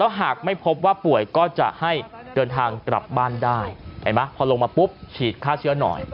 หากไม่พบว่าป่วยก็จะให้เดินทางกลับบ้านได้เห็นไหมพอลงมาปุ๊บฉีดฆ่าเชื้อหน่อย